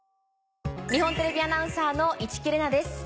日本テレビアナウンサーの市來玲奈です。